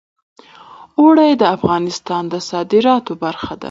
اوړي د افغانستان د صادراتو برخه ده.